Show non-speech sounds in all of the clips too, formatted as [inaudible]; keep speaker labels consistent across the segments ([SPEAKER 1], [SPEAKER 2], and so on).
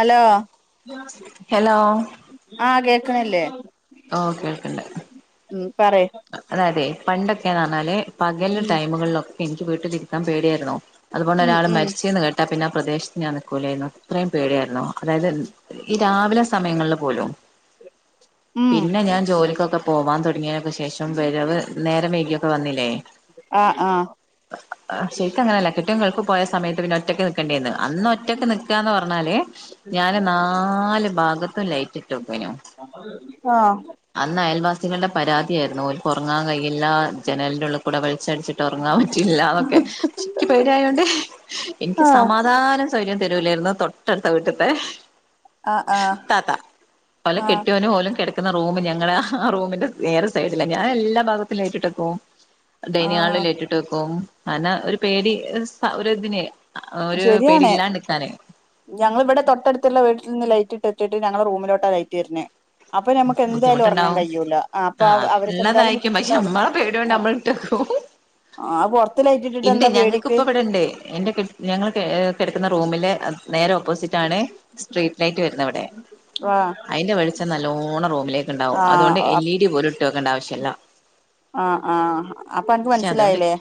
[SPEAKER 1] Hello.
[SPEAKER 2] Hello
[SPEAKER 1] ആ കേക്ക്ണില്ലേ?
[SPEAKER 2] ആ ഓ കേൾക്ക്ണ്ട്.
[SPEAKER 1] മഉം പറെ
[SPEAKER 2] അതായതേ പണ്ടൊക്കെന്ന് പറഞ്ഞാല് പകല്
[SPEAKER 1] ഉം
[SPEAKER 2] ടൈമുകളിലൊക്കെ എനിക്ക് വീട്ടിലിരിക്കാൻ പേടിയായിരുന്നു. അത് കൊണ്ട്
[SPEAKER 1] ഉം
[SPEAKER 2] ഒരാള്
[SPEAKER 1] ഉം
[SPEAKER 2] മരിച്ച്ന്ന്‌ കേട്ടാ പിന്നെ ആ പ്രദേശത്ത് ഞാൻ നിൽക്കൂലായിരുന്നു. അത്രയും പേടിയായിരുന്നു അതായത് എന്ത ഈ രാവിലെ സമയങ്ങളിൽ പോലും.
[SPEAKER 1] ഉം
[SPEAKER 2] പിന്നെ ഞാൻ ജോലിക്കൊക്കെ പോവാൻ തുടങ്ങിയതിന് ശേഷം. വരവ് നേരം വൈകിയൊക്കെ വന്നില്ലേ?
[SPEAKER 1] ആഹ് ആ.
[SPEAKER 2] ആ ശരിക്ക് അങ്ങനെല്ല കെട്ട്യോ ഗൾഫിൽ പോയ സമയത്ത് പിന്നെ ഒറ്റക്ക് നിക്കണ്ടി വന്നു അന്ന് ഒറ്റക്ക് നിക്ക് ക്കാ ന്ന് പറഞ്ഞാല്. ഞാന് നാല് ഭാഗത്തും ലൈറ്റിട്ട് വെക്കേനു.
[SPEAKER 1] ആ
[SPEAKER 2] അന്ന് അയൽവാസികളുടെ പരാതിയായിരുന്നു. ഓൽക്ക് ഉറങ്ങാൻ കഴയില്ലാ ജനലിന്റെ ഉള്ള് കൂടെ വെളിച്ചടിച്ചി ട്ട് ഉറങ്ങാൻ പറ്റില്ലാന്നൊക്കെ ക്ക് പേടിയായോണ്ട് എനിക്ക്
[SPEAKER 1] ആ
[SPEAKER 2] സമാധാനം - സ്വര്യം തരൂലായിരുന്നു തൊട്ടടുത്ത വീട്ട്ത്തെ
[SPEAKER 1] ആ ആ
[SPEAKER 2] താത്ത. ഓലെ
[SPEAKER 1] ആ
[SPEAKER 2] കെട്ടിയോനും ഓലും കെടക്ക ക്കുന്ന റൂംമില്ലേ ങ്ങളാ ആ റൂമിന്റെ വേറെ ഒരു സൈഡില്ല ഞാൻ എല്ലാ ഭാഗത്തും ലൈറ്റിട്ട് വെക്കും. ഡൈനി ഹാളിൽ
[SPEAKER 1] ആ
[SPEAKER 2] ലൈറ്റിട്ട് വെക്കും. അന ഒരു പേടി ഒര് സ ഒരുതിന്.
[SPEAKER 1] ശെരിയാണ്. ഞങ്ങളിവിടെ തൊട്ടടുത്തുള്ള വീട്ടിൽ നിന്ന് ലൈറ്റ് ഇട്ടട്ട്, ഞങ്ങളെ റൂമിലോട്ടാ ലൈറ്റ് വര്ണെ. അപ്പൊ ഞമക്ക് എന്തായാലും ഉറങ്ങാൻ
[SPEAKER 2] ബുദ്ധിമുട്ടുണ്ടാവും
[SPEAKER 1] കഴിയൂല്ല. ആ അപ്പൊ അവര് അവര്ക്ക്ന്തായാലും
[SPEAKER 2] ഉള്ളതായിരിക്കും പക്ഷെ
[SPEAKER 1] ബുദ്ധിമുട്ടുണ്ടാവല്ലോ.
[SPEAKER 2] നമ്മളെ
[SPEAKER 1] ആ.
[SPEAKER 2] [unintelligible]
[SPEAKER 1] ആ പൊർത്ത് ലൈറ്റിട്ടിട്ട്
[SPEAKER 2] ഇണ്ട്
[SPEAKER 1] എന്താ
[SPEAKER 2] ഞങ്ങൾക്ക്
[SPEAKER 1] പേടിക്ക്
[SPEAKER 2] ഇപ്പ ഇവിടെണ്ട് എന്റെ കെ ഞങ്ങൾ ഏ കെടക്കുന്ന റൂമില് അത് നേരെ ഓപ്പോസിറ്റ് ആണ് സ്ട്രീറ്റ് ലൈറ്റ് വരുന്നത് ഇവിടെ.
[SPEAKER 1] ആ
[SPEAKER 2] അയിന്റെ വെളിച്ചം നല്ലോണം റൂമിലേക്ക് ഉണ്ടാവും.
[SPEAKER 1] ആ
[SPEAKER 2] അതോണ്ട് എൽ ഇ ഡി പോലും ഇ ഇട്ട് വെക്കണ്ട ആവശ്യല്ല.
[SPEAKER 1] ആഹ് ആ അപ്പൊ അനക്ക്
[SPEAKER 2] പക്ഷെ അതുകൊണ്ട്
[SPEAKER 1] മനസ്സിലായില്ലേ.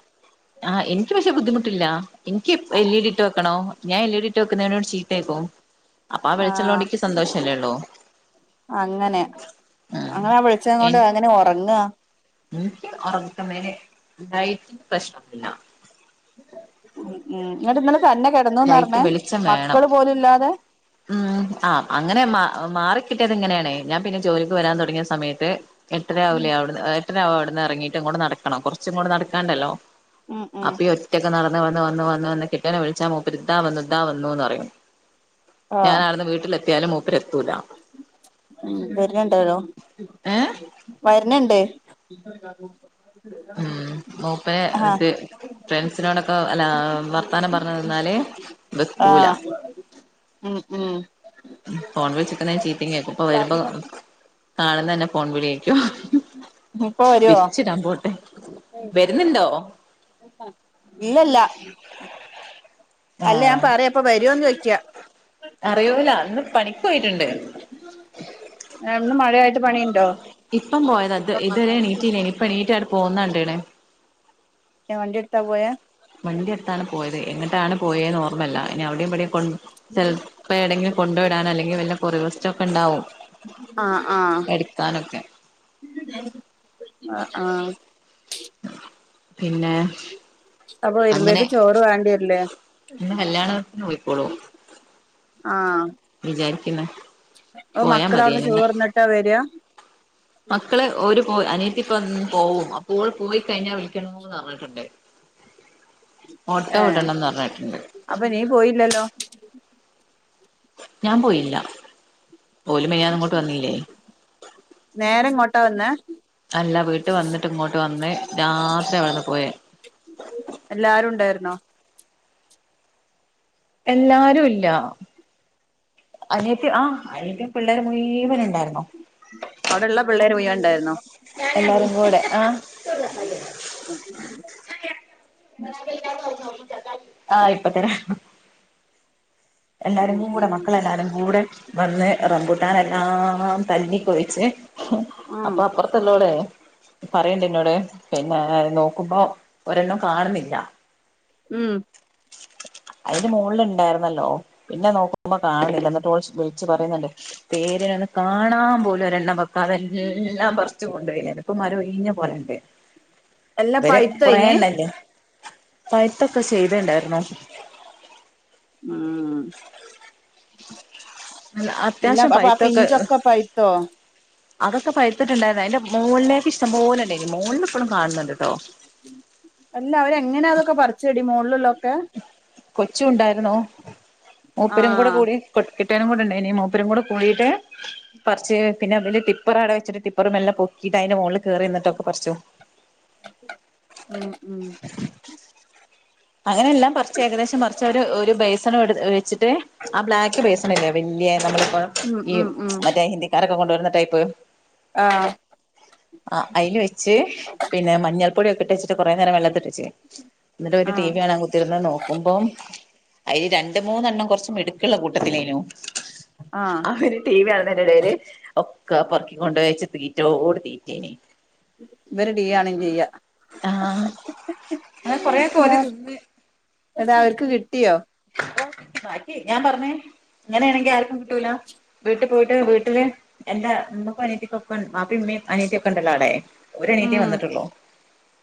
[SPEAKER 2] ആ എനിക്ക് പക്ഷേ ബുദ്ധിമുട്ടില്ല. എനിക്ക് എപ് എൽ ഇ ഡി ഇട്ട് വെക്കണോം. ഞാൻ എൽ ഇ ഡി ഇട്ട് വെക്കുന്നവനോട് ചീത്തേക്കും. അപ്പൊ ആ വെളിചെള്ളോണ്ട് ക്ക് സന്തോഷല്ലേള്ളൂ.
[SPEAKER 1] അങ്ങനെ. അങ്ങനെ വെളിച്ചം കൊണ്ട് എങ്ങനെ ഒറങ്ങാ.
[SPEAKER 2] ൻക്ക് ഒറക്കുന്നേല് തായിട്ട് പ്രശ്നോന്നില്ല.
[SPEAKER 1] ഉം ഉം എന്നിട്ട് ഇന്നലെ തന്നെ കെടന്നു ന്ന
[SPEAKER 2] ലൈറ്റ്
[SPEAKER 1] പറഞ്ഞേ
[SPEAKER 2] വെളിച്ചം വേണം
[SPEAKER 1] മക്കള് പോലും ഇല്ലാതെ?
[SPEAKER 2] ഉം ആ അങ്ങനെ മാ മാറിക്കിട്ടിയത് ഇങ്ങനേണ്. ഞാൻ പിന്നെ ജോലിക്ക് വരാൻ തുടങ്ങിയ സമയത്ത്, എട്ടരാവൂലെ അവിട്ന്ന് എട്ടരാവും അവിടുന്ന് എറങ്ങിയിട്ട് ഇങ്ങോട്ട് നടക്കണം. കുറച്ച് ഇങ്ങോട്ട് നടക്കാണ്ടല്ലോ.
[SPEAKER 1] ഉം ഉം
[SPEAKER 2] അപ്പ ഇ ഒറ്റക്ക് നടന്ന് വന്ന് വന്ന് വന്ന് വന്ന് കിട്ടനെ വിളിച്ചാ മോ - ഇപ്പത്തുട്ടാ വന്നുട്ട ഇതാ വന്നുന്ന് പറയും ഞാൻ നടന്ന് വീട്ടിലെത്തിയാലും മൂപ്പര് എത്തൂല
[SPEAKER 1] ഉം വരുനുണ്ടോലോ.
[SPEAKER 2] ഏഹ്
[SPEAKER 1] വര ന്ന്‌ ണ്ട്‌.
[SPEAKER 2] ഉം മോപ്പേ ഇത് ഫ്രണ്ട്സിനോടൊക്കെ അല്ല വർത്താനം പറഞ് നിന്നാല് വെക്കൂല.
[SPEAKER 1] ആഹ് ഉം ഉം.
[SPEAKER 2] ഫോൺ വിളിചിക്കുന്നോണ്ട് ചീത്തീം കേക്കും ഇപ്പം വരുമ്പോ കാണുന്നന്നെ ഫോൺ വിളിയേ
[SPEAKER 1] ഇപ്പൊ
[SPEAKER 2] -
[SPEAKER 1] വരുവോ
[SPEAKER 2] വിരിച്ചിടാൻ പോട്ടെ. വരുന്നുണ്ടോ?
[SPEAKER 1] ഇല്ലല്ല അല്ല ഞാൻ
[SPEAKER 2] ആഹ
[SPEAKER 1] പറയാ ഇപ്പൊ വരുവോന്ന് ചോദിക്കാ
[SPEAKER 2] അറിയൂല അന്ന് പണിക്ക് പോയിട്ടുണ്ട്
[SPEAKER 1] ആഹ് ഇന്ന് മഴ ആയിട്ട് പണിയുണ്ടോ
[SPEAKER 2] ഇപ്പം പോയത ഇത് ഇതുവരെ എണീറ്റില്ലായിന് ഇപ്പ എണീറ്റ് അങ്ങട്ട് പോകുന്നണ്ടക്കണ്
[SPEAKER 1] ഏ വണ്ടി ഇടുതാ പോയേ
[SPEAKER 2] വണ്ടി എടുത്താണ് പോയത് എങ്ങട്ടാണ് പോയെന്ന് ഓർമ്മല്ല ഇനി അവിടീം ഇപടീം കൊണ്ട് - ചിലപ്പോ ഏടെങ്കിലും കൊണ്ടു വിടാനൻ അല്ലെങ്കിൽ വല്ല കൊറിയറിസ്റ്റം ഒക്കെ ഉണ്ടാവും
[SPEAKER 1] ആഹ് ആഹ
[SPEAKER 2] എടുക്കാനൊക്കെ
[SPEAKER 1] ആഹ ആഹ
[SPEAKER 2] പിന്നെ
[SPEAKER 1] അപ്പൊ
[SPEAKER 2] അങ്ങനെ
[SPEAKER 1] വരുമ്പേക്ക് ചോറ് വേണ്ടിയേരില്ലേ
[SPEAKER 2] ഇന്ന് കല്യാണത്തിന് പോയിക്കോളൂ
[SPEAKER 1] ആഹ
[SPEAKER 2] വിചാരിക്കുന്ന്
[SPEAKER 1] അപ്പൊ
[SPEAKER 2] പോയാ
[SPEAKER 1] മക്കളവിട്ന്ന്
[SPEAKER 2] മതിയേനിന്ന്
[SPEAKER 1] ചോർന്നിട്ടാ വരാ
[SPEAKER 2] [inaudible] മക്കള് ഒരു പോ അനിയത്തി ഇപ്പ ഇന്ന് പോവും അപ്പോഓള് പോയി കഴിഞ്ഞാൽ വിളിക്കണന്ന് പറഞ്ഞിട്ടുണ്ട് [unintelligible] ഓട്ടോ
[SPEAKER 1] ഏ
[SPEAKER 2] വിടണംന്ന് പറഞ്ഞിട്ടുണ്ട്
[SPEAKER 1] അപ്പൊ നീ പോയില്ലല്ലോ
[SPEAKER 2] ഞാൻ പോയില്ല ഓലു മിനിയാന്ന് ഇങ്ങോട്ട് വന്നില്ലേ
[SPEAKER 1] നേര ഇങ്ങോട്ടാ വന്നെ
[SPEAKER 2] അല്ല വീട്ട് വന്നിട്ട് ഇങ്ങോട്ട് വന്ന് രാത്രി ഇവിടെന്ന് പോയ
[SPEAKER 1] എല്ലാരും ഇണ്ടായിരുന്നോ
[SPEAKER 2] എല്ലാരും ഇല്ല അനിയത്തി ആ അനിയത്തി പിള്ളേരും മുയ്‌വൻ ഉണ്ടായിരുന്നു
[SPEAKER 1] അവിടെള്ള പിള്ളേര് മൊയിവോ ഇണ്ടായിരുന്നോ
[SPEAKER 2] എല്ലാരും കൂടെ ആ ആ ഇപ്പത്തര എല്ലാരും
[SPEAKER 1] ഉം
[SPEAKER 2] കൂടെ
[SPEAKER 1] ഉം
[SPEAKER 2] മക്കളെല്ലാരും കൂടെ വന്ന് റംമ്പൂട്ടാന് എല്ലാം തല്ലിക്കൊഴിച്ച്
[SPEAKER 1] ആഹ്
[SPEAKER 2] അപ്പൊ തിള്ളോളെ പറയണ്ട്ന്നോട് പിന്നെ നോക്കുമ്പോ ഒരെണ്ണം കാണുന്നില്ല
[SPEAKER 1] ഉം
[SPEAKER 2] [inaudible] അതിന് മുകളിൽ ഇണ്ടായിരുന്നല്ലോ പിന്നെ നോക്കുമ്പോ കാണില്ല എന്നിട്ട് വിളിച്ച് പറയുന്നുണ്ട് പേര്ണ് കാണാൻ പോലും ഒരെണ്ണം വക്കാതെ എല്ലാം പറിച്ചു കൊണ്ടോയി എന്നിട്ട് ഇപ്പൊ മരം ഒഴിഞ്ഞ പോലെ
[SPEAKER 1] എല്ലാം
[SPEAKER 2] ഇതെരെ
[SPEAKER 1] പഴുത്തോ അയിന്
[SPEAKER 2] കൊറെണ്ടായിനിലെ പഴ്ത്തൊക്കെ ചെയ്തുണ്ടായിരുന്നു
[SPEAKER 1] ഉം
[SPEAKER 2] നല്ല
[SPEAKER 1] എല്ലാ
[SPEAKER 2] അത്യാവശ്യം
[SPEAKER 1] അപ്പൊ ആ
[SPEAKER 2] പഴുത്തൊക്കെ
[SPEAKER 1] പിഞ്ചൊക്കെ പഴ്ത്തോ
[SPEAKER 2] അതൊക്കെ പഴ്ത്തിട്ട്ണ്ടായിര്ന്ന് അതിന്റെ മുകളിലേക്ക് ഇഷ്ടം പോലെ ഇണ്ടേനി മുകളിൽ ഇപ്പോഴും കാണുന്നുണ്ട് ട്ടോ
[SPEAKER 1] അല്ല അവരെങ്ങനെയാ അതൊക്കെ പറിചെടി മുകളില്
[SPEAKER 2] കൊച്ചുണ്ടായിരുന്നു [unintelligible]
[SPEAKER 1] ആഹ്
[SPEAKER 2] കൂടെ പട്ട് കെട്ടിയോനും കൂടെ ഇണ്ടായിനി മൂപ്പരും കൂടെ പോയിട്ട് പർച്ച്.. പിന്നെ വല് ടിപ്പറാടെ വെച്ചിട്ട് ടിപ്പറ് മെല്ലെ പൊക്കിട്ട് അയ്ന്റെ മോൾള് കേറി നിന്നിട്ടൊക്കെപർച്ചു
[SPEAKER 1] ഉം.. ഉം...
[SPEAKER 2] അങ്ങനെല്ലാം പർച്ച് ഏകദേശം പർച്ച്. അവര് ഒരു ബേസൺ വട് വെച്ചിട്ട് ആ ബ്ലാക്ക് ബേസണില്ലേ വല്ലിയെ
[SPEAKER 1] ഉം
[SPEAKER 2] ഈ
[SPEAKER 1] ഉം ഉം
[SPEAKER 2] മറ്റേ ഹിന്ദിക്കാരൊക്കെ കൊണ്ടുവരുന്ന ടൈപ്പ്
[SPEAKER 1] ആഹ്
[SPEAKER 2] ആ അതിൽ വെച്ച് പിന്നെ മഞ്ഞൾ പൊടിയൊക്കെ ഇട്ട് വെച്ചിട്ട് കുറെ നേരം വെള്ളത്തിട്ട് എന്നിട്ട് ഓര് ടി. വി
[SPEAKER 1] ആഹ്
[SPEAKER 2] കാണാൻ കുത്തിര്ന്ന് നോക്കുമ്പം അതിൽ രണ്ട് മൂന്നെണ്ണം കുറച്ച് മിടുക്കുള്ള കൂട്ടത്തി ഏനി
[SPEAKER 1] ആഹ്
[SPEAKER 2] അവര് ടി വി കാണുന്നതിന്റെടേല് ഒക്ക പറക്കി കൊണ്ടോയിച്ച് തീറ്റോട് തീറ്റേനി
[SPEAKER 1] ഇവര് ടീവീകാണും ചെയ്യ
[SPEAKER 2] ആഹ് അങ്ങനെ കൊറെയൊക്കെ ഓര് തിന്ന്
[SPEAKER 1] എഡാ അവർക്ക് കിട്ടിയോ
[SPEAKER 2] ഓ ബാക്കി ഞാൻ പർഞ്ഞ്.. ഇങ്ങനാണെങ്കി ആർക്കും കിട്ടൂല വീട്ടി പോയിട്ട് വീട്ടില് എന്താ ഉമ്മക്കും അനിയത്തികൊപ്പ വാപ്പിം മ്മിം അനിയത്തി ഒക്കണ്ടല്ലോ അടേ ഒരനിയത്യേ
[SPEAKER 1] ഉം
[SPEAKER 2] വന്നിട്ടുള്ളൂ.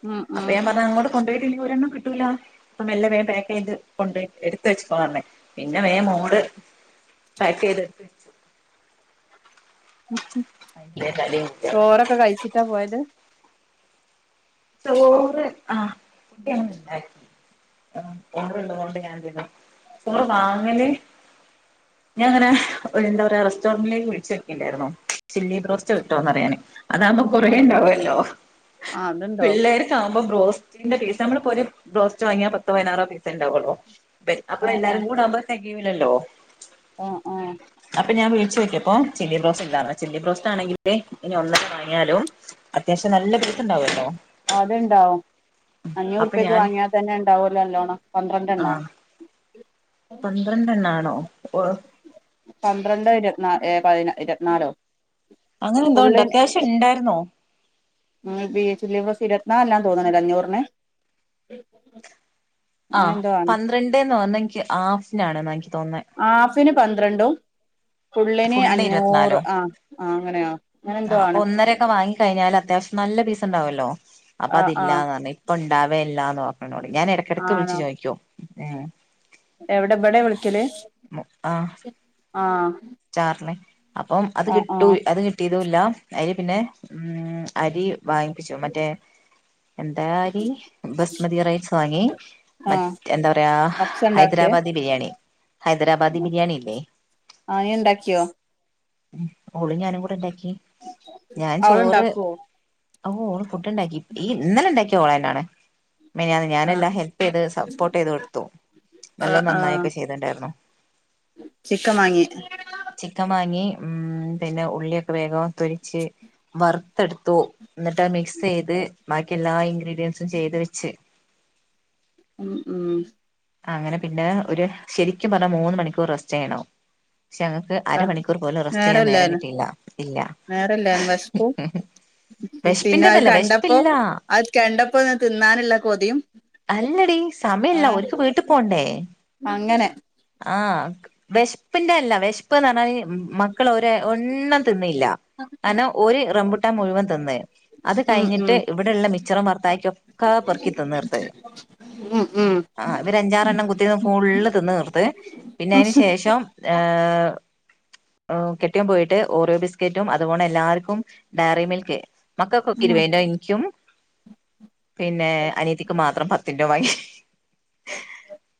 [SPEAKER 1] ഉം
[SPEAKER 2] അപ്പൊ
[SPEAKER 1] ഉം
[SPEAKER 2] ഞാൻ പറഞ്ഞാ അങ്ങോട്ടു കൊണ്ടോയിട്ടിനി ഒരെണ്ണം കിട്ടൂല. പ്പം മെല്ലെ വേം പേക്ക് ചെയ്ത് കൊണ്ടൊയ് എട് [unintelligible] പിന്നെ വേഗം മോള് പാക്കെയ്ത് അതിന് വേഗം തലയും കുത്തി അവിടെ
[SPEAKER 1] ചോറൊക്കെ കഴിച്ചിട്ടാ പോയത്
[SPEAKER 2] ചോറ് ആ [unintelligible] ആ കൊണ്ടള്ളതുകണ്ട് ഞാൻ ന്ന സുമറ് വാങ്ങന [unintelligible] [inaudible] ഞാൻ ഇങ്ങനെ ന്താ പറയാ റസ്റ്റോറന്റിലേക്ക് വിളിച്ചു നോക്കീണ്ടാരുന്നു ചില്ലി ബ്രോസ്റ്റ് കിട്ടോന്നറിയാന് അതാവുമ്പോ കുറേ
[SPEAKER 1] ആഹ്
[SPEAKER 2] ഉണ്ടാവല്ലോ
[SPEAKER 1] ആഹ് അതുണ്ടോ
[SPEAKER 2] പിള്ളേർക്ക് ആകുമ്പോ ബ്രോസ്റ്റിന്റെ പീസ നമ്മൾ പൊരേൽ ബ്രോസ്റ്റ് വാങ്ങിയാ പത്തോ പതിനാറോ പീസ് ഉണ്ടാവൊള്ളൂ അപ്പോൾ
[SPEAKER 1] ആഹ് ആഹ്
[SPEAKER 2] എല്ലാവരും കൂടി ആകുമ്പോൾ തികയില്ലല്ലോ
[SPEAKER 1] ആഹ് ആഹ്
[SPEAKER 2] അപ്പോൾ ഞാൻ വിളിച്ചു നോക്കിയപ്പോൾ ചില്ലി ബ്രോസ് ഇല്ല എന്ന് ചില്ലി ബ്രോസ്റ്റ് ആണെങ്കിൽ ഇനി ഒന്നെങ്കിലും വാങ്ങിയാലും അത്യാവശ്യം നല്ല പീസ് ണ്ടാവല്ലോ
[SPEAKER 1] അതുണ്ടാകും അഞ്ഞൂർ
[SPEAKER 2] അപ്പൊ
[SPEAKER 1] ഉർപ്യക്ക്
[SPEAKER 2] ഞാൻ
[SPEAKER 1] വാങ്ങിയാൽ തന്നെ ഉണ്ടാവുമല്ലോ പന്ത്രണ്ട്
[SPEAKER 2] ആ
[SPEAKER 1] എണ്ണം
[SPEAKER 2] പന്ത്രണ്ടെണ്ണാണോ
[SPEAKER 1] പന്ത്രണ്ടോ ഇരുപത്തിനാലോ
[SPEAKER 2] അങ്ങനെന്തോണ്ട്
[SPEAKER 1] ഫുള്ള്
[SPEAKER 2] അത്യാവശ്യം ഉണ്ടായിരുന്നു
[SPEAKER 1] ബീഫ് ചില്ലി ഇരുപതിനാൽ എണ്ണന്ന് തോന്നിണ്ല്ലേ അഞ്ഞൂർന്
[SPEAKER 2] പന്ത്രണ്ട് എന്ന് പറഞ്ഞാൽ ഹാഫിന് ആണെന്നാണ് എനിക്ക് തോന്നുന്നത്
[SPEAKER 1] ഹാഫിന് പന്ത്രണ്ടും ഫുള്ളിന്
[SPEAKER 2] ഫുള്ള്
[SPEAKER 1] അഞ്ഞൂർ
[SPEAKER 2] ഇരുപത്തിനാലോ
[SPEAKER 1] ആ ആ അങ്ങനെയാണെ
[SPEAKER 2] അപ്പൊ ഒന്നരൊക്കെ വാങ്ങി കഴിഞ്ഞാല് അത്യാവശ്യം നല്ല പീസ് ഉണ്ടാവല്ലോ അപ്പൊ
[SPEAKER 1] ആ ആ
[SPEAKER 2] അതില്ലാന്ന് പറഞ്ഞേ പ്പണ്ടാവേല്ലാന്ന് ന്നറിഞ് ന്നോട് ഞാൻ എടക്കിടയ്ക്ക് വിളിച്ചു
[SPEAKER 1] ആണോ
[SPEAKER 2] ചോയ്ക്കു ഏ
[SPEAKER 1] എവിടെ ഇവിടെ വിളിക്കല് ആ
[SPEAKER 2] അപ്പോ അത്
[SPEAKER 1] ആ ആ
[SPEAKER 2] കിട്ടും അത് കിട്ടും കിട്ടിയിതുല്ല അപ്പൊ പിന്നെ അരി വാങ്ങിപ്പിച്ചു മറ്റേ [unintelligible] ബസ്മതി റൈസ് വാങ്ങി
[SPEAKER 1] ആ
[SPEAKER 2] മറ്റേ എന്താ പറയാ
[SPEAKER 1] കപ്സ ഉണ്ടാക്കേ
[SPEAKER 2] ഹൈദരാബാദി ബിരിയാണി ഹൈദരാബാദി ബിരിയാണില്ലേ
[SPEAKER 1] ആഹ് നീ ഉണ്ടാക്കിയോ
[SPEAKER 2] ഓളും ഞാനും കൂടെ ഉണ്ടാക്കി ഞാൻ ചോറ്
[SPEAKER 1] അവളുണ്ടാക്കുവോ
[SPEAKER 2] ഓ ഓൾ ഫുഡ്‌ ഉണ്ടാക്കി ഇന്നലെ ഉണ്ടാക്കിയത് ഓൾ തന്നെ ആണ് മിനിയാന്ന്
[SPEAKER 1] ആ
[SPEAKER 2] ഞാനെല്ലാ ഹെൽപ്പ് ചെയ്ത് സപ്പോർട്ട് ചെയ്ത് കൊടുത്തു.
[SPEAKER 1] ആ
[SPEAKER 2] നല്ലോം നന്നായി ഒക്കെ ചെയ്ത്ണ്ടായിരുന്നു.
[SPEAKER 1] ചിക്കം മാങ്ങി.
[SPEAKER 2] ചിക്കൻ വാങ്ങി പിന്നെ ഉം ഉള്ളിയൊക്കെ വേഗം. തൊലിച്ച് വറുത്തെടുത്തു ന്നിട്ട് മിക്സ് ചെയ്ത് ബാക്കി എല്ലാ ഇങ്ക്രി [unintelligible] ചെയ്ത് വെച്ച്
[SPEAKER 1] ഉം ഉം
[SPEAKER 2] ആ അങ്ങനെ പിന്നേ ഒര് ശരിക്കും പറഞ്ഞാൽ മൂന്ന് മണിക്കൂർ റെസ്റ്റ് ചെയ്യണം. ക്ഷെ ഞങ്ങക്ക്
[SPEAKER 1] ആ
[SPEAKER 2] അരമണിക്കൂർ പോലും റസ്റ്റ് ചെയ്യാൻ നേരം
[SPEAKER 1] നേരല്ലായിരുന്നു
[SPEAKER 2] കിട്ടിയില്ല. ഇല്ല.
[SPEAKER 1] നേരല്ലായിരുന്നു വിശപ്പും
[SPEAKER 2] ഹ് [unintelligible]
[SPEAKER 1] പിന്നെ അത് കണ്ടപ്പോ അത് കണ്ടപ്പോ തിന്നാനുള്ള കൊതിയും
[SPEAKER 2] അല്ലടി
[SPEAKER 1] ആ
[SPEAKER 2] സമയല്ല. ഓൽക്ക് വീട്ട് പോണ്ടേ?
[SPEAKER 1] അങ്ങനെ.
[SPEAKER 2] ആഹ്. വെശ്പ്പിന്റെ അല്ല. വെശ്പ്പ്ന്ന് പറഞ്ഞാല് മക്കൾ ഒരെ ഒന്നും തിന്നീല്ല. കാരണം ഒരു റബുട്ടാൻ മുഴുവൻ തിന്ന്. അത്
[SPEAKER 1] ഉം ഉം
[SPEAKER 2] കഴിഞ്ഞിട്ട് ഇവടള്ള മിച്ചറും വർത്തായ്ക്കിം ഒക്കെ പൊർക്കി തിന്ന് തിത്ത്.
[SPEAKER 1] ഉം ഉം.
[SPEAKER 2] ആഹ് ഇവരഞ്ചാറെണ്ണം കുത്തിരിന്ന് ഫുള്ള് തിന്ന് തീർത്ത്. പിന്നെ അയിന്
[SPEAKER 1] ഉം
[SPEAKER 2] ശേഷം ഏ ഉം. കെട്ട്യോൻ പോയിട്ട് ഓറിയോ ബിസ്കേറ്റും അതുപോണം എല്ലാർക്കും ഡയറി മിൽക്ക് മക്കൾക്കൊക്കെ ഇരുപേന്റേം ഇൻക്ക്യും പിന്നേ അനിയത്തിക്കും മാത്രം പത്തിന്റൊം വാങ്ങി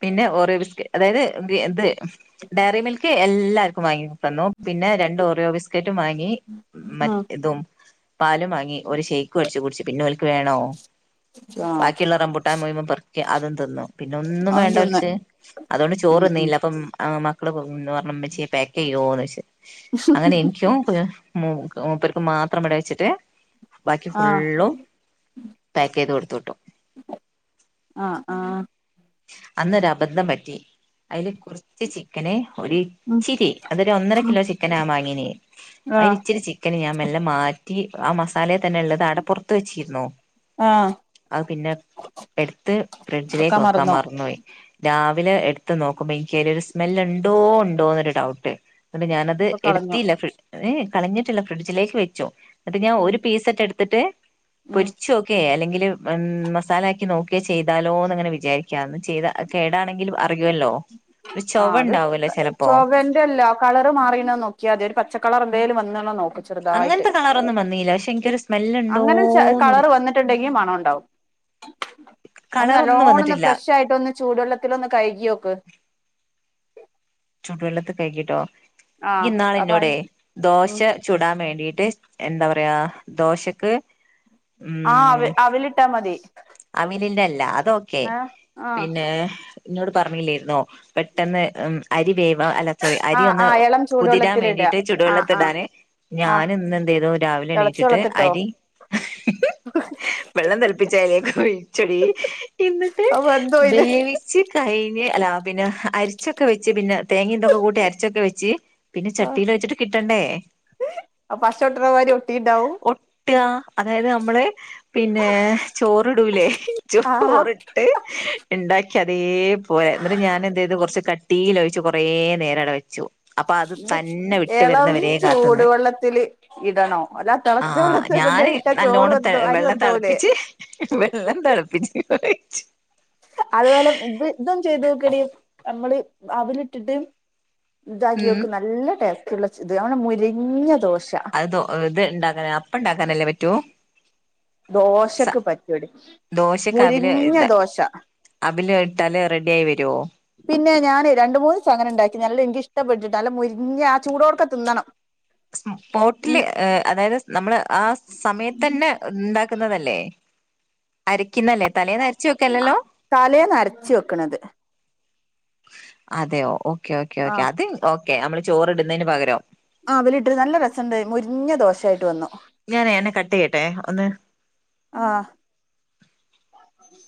[SPEAKER 2] പിന്നെ ഓറിയോ ബിസ്കറ്റ് അതായത് ദ് ന്ത് ഡയറി മിൽക്ക് എല്ലാ എല്ലാർക്കും വാങ്ങി തന്നു. പിന്നെ രണ്ട് ഓറിയോ ബിസ് കേറ്റും വാങ്ങി.
[SPEAKER 1] ഉം
[SPEAKER 2] മറ്റ തും പാലും മാങ്ങി ഒരു ഷൈക്കും അട്ച്ച് കുട്ച്ച് പിന്നെ ഓൽക്ക് വേണോ. ബാക്കിള്ള റംമ്പുട്ടാൻ മുയിമൻ പെർ അതും തിന്നു പിന്നെ ഒന്നും
[SPEAKER 1] അത് തന്നെ
[SPEAKER 2] വേണ്ടോൽക്ക് അതുകൊണ്ട്
[SPEAKER 1] ഉം ഉം
[SPEAKER 2] ചോറൊന്നീല അപ്പം. ആഹ്, മക്കള്ന്ന് ന്നോ പറഞ്ഞു. മ്മച്യേ പേക്ക് ചെയ്യോന്ന് ചോയ്ച്ച്. [unintelligible] അങ്ങനെ എനിക്കും മൂ മൂപ്പരക്ക് മാത്രം ഇവിടെ വെച്ചിട്ട് ബാക്കി
[SPEAKER 1] ആഹ്
[SPEAKER 2] ഫുള്ളും പാക്കെയ്ത് കൊടുത്തു വിട്ടു.
[SPEAKER 1] ആഹ് ആഹ്
[SPEAKER 2] അന്നൊരബദ്ധം പറ്റി ഐല് കൊർച്ച് ച്ച് ചിക്കന്
[SPEAKER 1] ഉം
[SPEAKER 2] ഒരിച്ചിരി അതൊരു ഒന്നര
[SPEAKER 1] ഉം
[SPEAKER 2] കിലോ ചിക്കന ആ മാങ്ങിനേ അയിന്
[SPEAKER 1] ആഹ്
[SPEAKER 2] ഇച്ചിരി ചി. ചിക്കന് ഞാൻ മെല്ലെ മാറ്റി ആ മസാലെ തന്നെ ഉള്ളത് ആടെപ്പൊറത്ത് വെച്ചിരുന്നു
[SPEAKER 1] ആഹ്
[SPEAKER 2] അത് പിന്നെ എട്ത്ത് ഫ്രിഡ്ജിലേക്ക്
[SPEAKER 1] വെക്കാൻ
[SPEAKER 2] വക്ക
[SPEAKER 1] മറന്നു
[SPEAKER 2] [unintelligible] യി. രാവിലെ എടുത്ത് നോക്കുമ്പോ ഇനിക്ക് അയിലൊരു സ്മെല്ല് ണ്ടോ ഉണ്ടോന്നൊരു ഡൗട്ട്. ന്നട്ട് ഞാനത്
[SPEAKER 1] അപ്പൊ കളഞ്ഞു
[SPEAKER 2] എടുത്തീല്ല. ഫ്രി ഏ ഏ കളഞ്ഞിട്ടില്ല. ഫ്രിഡ്ജിലേക്ക് വെച്ചു അത് ഞാ
[SPEAKER 1] ഉം
[SPEAKER 2] ഒരു പീസറ്റെ എടുത്തിട്ട്
[SPEAKER 1] ഉം
[SPEAKER 2] പൊരി. ഒക്കെ അല്ലെങ്കില് മസാലാക്കി നോക്കേ ചെയ്താലോന്ന്ങ്ങനെ വിചാരിക്കാന്ന് ചെയ്താ കേടാണെങ്കിലും അറിയുല്ലോ.
[SPEAKER 1] ആഹ് അത് ചൊകൻ്റല്ല. കളറ് മാറീണോന്ന് നോക്കിയാതി. ഒരു പച്ചക്കളറ് എന്തേലും വന്ന്ണോ നോക്ക്. ചെറുതായിട്ട്
[SPEAKER 2] അങ്ങൻത്തെ കളറൊന്നും വന്നീല്ല. പക്ഷെ എനിക്കൊരു
[SPEAKER 1] അങ്ങനെ ചെ
[SPEAKER 2] സ്മെല്ല്ണ്ടോന്നൊരു
[SPEAKER 1] കളറ്
[SPEAKER 2] [inaudible]
[SPEAKER 1] വന്നിട്ടുണ്ടെങ്കി മണം ഉണ്ടാവും ഒന്ന് നല്ലോണൊന്ന് ഫ്രക്ഷായിട്ടൊന്ന് ചൂടെള്ളത്തിലൊന്ന് കഴുകികോക്ക്.
[SPEAKER 2] ചൂടുവെള്ളത്ത് കഴിക്കിട്ടോ
[SPEAKER 1] ആഹ് അപ്പൊ
[SPEAKER 2] ഇയ്യ്ന്നാളെന്നോടെ ദോശ.
[SPEAKER 1] ഉം
[SPEAKER 2] ചുടാൻ വേണ്ടീട്ട് എന്താ പറയാ ദോശക്ക്.
[SPEAKER 1] ആഹ്, അവി അവിലിട്ടാ മതി.
[SPEAKER 2] അമിലിന്റെ അല്ല. അതോക്കെ.
[SPEAKER 1] ഏഹ് ആഹ്
[SPEAKER 2] പിന്നേ ന്നോട് പറഞ്ഞീല്ലേര്‌ന്നോ. പെട്ടെന്ന് ഉം അരി വേ അല്ല സോറി അരി
[SPEAKER 1] ആഹ്
[SPEAKER 2] ഒന്ന്
[SPEAKER 1] ആഹ് എളം
[SPEAKER 2] കുതിരാൻ
[SPEAKER 1] ചൂടുവെള്ളത്തിലിടാ
[SPEAKER 2] വേണ്ടിട്ട്
[SPEAKER 1] ആഹ് ആഹ്
[SPEAKER 2] ചുടുവെള്ളത്തിലിടാന്. ഞാന്
[SPEAKER 1] ആഹ്
[SPEAKER 2] ഇന്ന് എന്തെയ്തു രാവിലെ
[SPEAKER 1] തെളച്ച
[SPEAKER 2] എണീച്ചിട്ട്
[SPEAKER 1] വെള്ളത്തിട്ടോ
[SPEAKER 2] അരി [unintelligible] വെള്ളം തിളപ്പിച്ച്‌ അയിലേക്ക് ഒഴിച്ചെടീ [unintelligible] എന്നിട്ട്
[SPEAKER 1] അത് വെന്തോയില്ലേ
[SPEAKER 2] ബേവി ച്ചി കഴിഞ്ഞ് അല്ലാ പിന്നെ അര്ച്ചൊക്കെ വെച്ച് പിന്നെ തേങ്ങിം തൊക്കെ കൂട്ടി അരച്ചൊക്കെ വെച്ച് പിന്നെ ചട്ടീല് വെച്ചിട്ട് കിട്ടണ്ടേ?
[SPEAKER 1] അ പഷ ഒട്ട്ണമാരി ഒട്ടിയിണ്ടാവും.
[SPEAKER 2] ഒട്ടാ അതായത് നമ്മള് പിന്നെ ചോ അ ടൂലെ [unintelligible]
[SPEAKER 1] ആഹാ
[SPEAKER 2] ചോറിട്ട് ഇണ്ടാ അതേപോലെ എന്നിട്ട് ഞാനെന്തെയ്തു കൊർച്ച് കട്ടീല് ഒഴിച്ച് കൊറേ നേരം അടെ വെച്ചു അപ്പൊ അത്
[SPEAKER 1] ഇത്
[SPEAKER 2] തന്നെ വിട്ട്
[SPEAKER 1] എളം
[SPEAKER 2] വരുന്നവരേ കാത്ത്ന്ന്.
[SPEAKER 1] ചൂടുവെള്ളത്തില് ഇടണോ അല്ല തിളച്ച
[SPEAKER 2] ആഹ് ആഹ് ആ
[SPEAKER 1] വെള്ളത്തി
[SPEAKER 2] ഞാന്
[SPEAKER 1] കൊണ്ടോയിട്ടാ ചോറ്
[SPEAKER 2] നല്ലോണം
[SPEAKER 1] വെന്തോ അരി
[SPEAKER 2] വെള്ളം
[SPEAKER 1] വെന്തോവൂലേ
[SPEAKER 2] തിളപ്പിച്ച് വെള്ളം തിളപ്പിച് വെച്ച്
[SPEAKER 1] അതുപോലെ ഇത് ഇതും ചെയ്തോക്കടി നമ്മള് അവിലിട്ട്ട്ട്. ഇതാക്കി
[SPEAKER 2] ഉം
[SPEAKER 1] ഓക്ക്. നല്ല ടേസ്റ്റ്‌ള്ള ച് ത് നല്ല മുരിഞ്ഞ ദോശ.
[SPEAKER 2] തു ഏ ഇത് ണ്ടാക്കാന അപ്പ ണ്ടാക്കാനല്ലേ പറ്റൂ.
[SPEAKER 1] ദോശക്ക് പറ്റോടി
[SPEAKER 2] ദോശക്ക് അവില്
[SPEAKER 1] മൊരിഞ്ഞ
[SPEAKER 2] ഇത്
[SPEAKER 1] ദോശ.
[SPEAKER 2] അവില് ഇട്ടാല് റെഡി ആയി വരോ?
[SPEAKER 1] പിന്നേ ഞാന് രണ്ട് മൂന്ന് ദിവസം ണ്ടാക്കി നല്ല എനിക്ക് ഇഷ്ടപ്പെട്ടിട്ടോ. നല്ല മുരിഞ്ഞ ആ ചൂടോട്ക്കെ തിന്നണം.
[SPEAKER 2] സ്പോട്ടില് അതായത് നമ്മള് ആ സമയത്ത് തന്നെ ഉണ്ടാക്കുന്നതല്ലേ അരയ്ക്കുന്നല്ലേ തലേന്ന് അരച്ചു വെക്കല്ലല്ലോ?
[SPEAKER 1] തലേന്ന് രച്ച് വെക്കണത്.
[SPEAKER 2] അതെയോ ഓക്കേ ഓക്കേ
[SPEAKER 1] ആ
[SPEAKER 2] ഓക്കെ അത് ഓക്കെ നമ്മള് ചോറ്ടുന്നതിന് പകരം.
[SPEAKER 1] ആഹ് ഇവലിട്ടരുന്നു നല്ല രസണ്ട് മൊരിഞ്ഞ ദോശായിട്ട് വന്നു.
[SPEAKER 2] ഞാനേ അന്നെ കട്ട് ചെയ്യട്ടെ. ഒന്ന്
[SPEAKER 1] ആഹ്. സ